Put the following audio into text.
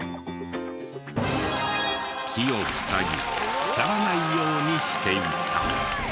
木を塞ぎ腐らないようにしていた。